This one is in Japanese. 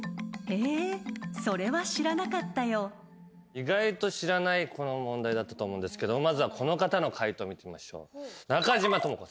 意外と知らないこの問題だったと思うんですがまずはこの方の解答見てみましょう。